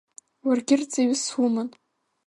Уаргьы рҵаҩыс суман!